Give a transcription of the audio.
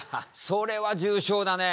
それは重症だね。